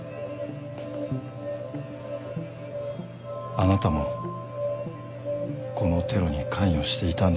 あなたもこのテロに関与していたんですね。